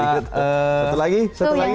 satu lagi satu lagi